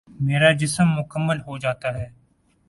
میرا جسم مکمل ہو جاتا ہے ۔